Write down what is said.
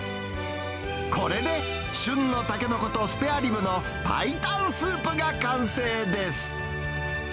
これで、旬のタケノコとスペアリブの白湯スープが完成です。